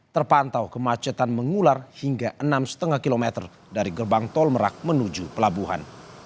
terpantau kemacetan mengular hingga enam lima km dari gerbang tol merak menuju pelabuhan